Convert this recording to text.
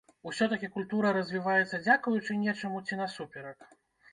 Усё такі, культура развіваецца дзякуючы нечаму ці насуперак?